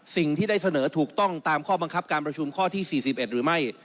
สิ่งที่ได้เสนอถูกต้องตามข้อบังคับการประชุมข้อที่๔๑หรือไม่